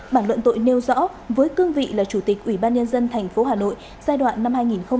bản luận tội nêu rõ với cương vị là chủ tịch ủy ban nhân dân thành phố hà nội giai đoạn năm hai nghìn một mươi sáu hai nghìn một mươi chín